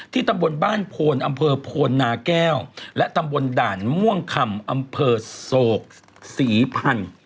ตำบลบ้านโพนอำเภอโพนนาแก้วและตำบลด่านม่วงคำอำเภอโศกศรีพันธุ์